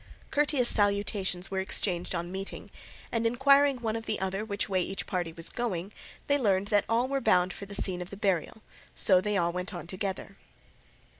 Courteous salutations were exchanged on meeting, and inquiring one of the other which way each party was going, they learned that all were bound for the scene of the burial, so they went on all together.